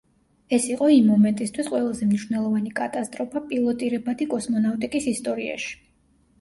ეს იყო იმ მომენტისთვის ყველაზე მნიშვნელოვანი კატასტროფა პილოტირებადი კოსმონავტიკის ისტორიაში.